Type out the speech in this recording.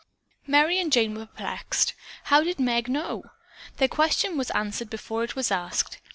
Jane and Merry were perplexed. How did Meg know? Their question was answered before it was asked.